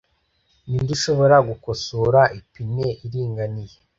Ninde ushobora gukosora ipine iringaniye?